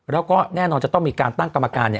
แล้วก็แน่นอนจะต้องมีการตั้งกรรมการ